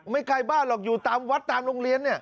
ไกลบ้านหรอกอยู่ตามวัดตามโรงเรียนเนี่ย